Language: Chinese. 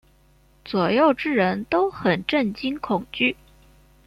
左右之人都很震惊恐惧。